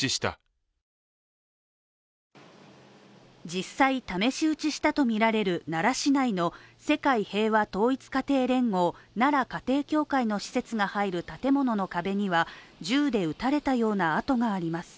実際、試し撃ちしたとみられる奈良市内の世界平和統一家庭連合奈良家庭教会の施設が入る建物の壁には、銃で撃たれたような跡があります。